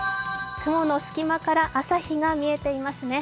雲の隙間から朝日が見えていますね。